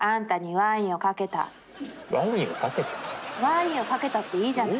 「ワインをかけたっていいじゃない」。